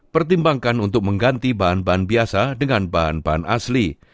pertimbangkan untuk mengganti bahan bahan biasa dengan bahan bahan asli